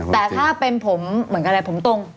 แต่ถ้าเป็นผมเหมือนกันอะไรผมตรง